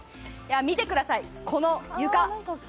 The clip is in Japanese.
見てください、この床。